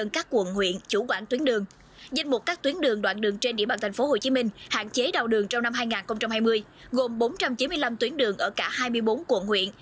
các đoạn đường hạn chế đào đường trong năm hai nghìn hai mươi gồm bốn trăm chín mươi năm tuyến đường ở cả hai mươi bốn quận huyện